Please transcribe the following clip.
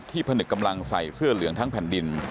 ผนึกกำลังใส่เสื้อเหลืองทั้งแผ่นดิน